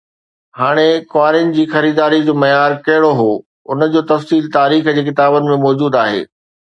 هاڻي ڪنوارين جي خريداريءَ جو معيار ڪهڙو هو، ان جو تفصيل تاريخ جي ڪتابن ۾ موجود آهي.